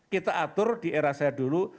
kita atur di era saya dulu